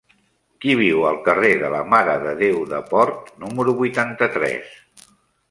Qui viu al carrer de la Mare de Déu de Port número vuitanta-tres?